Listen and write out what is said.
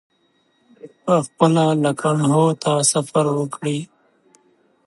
پخپله لکنهو ته سفر وکړي.